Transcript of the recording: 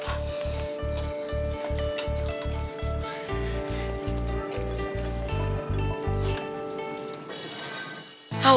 jangan jangan jangan